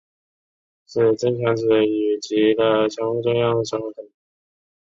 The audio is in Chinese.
使增强子与及的相互作用成为可能。